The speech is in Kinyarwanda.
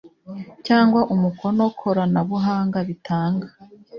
Cyangwa umukono koranabuhanga bitanga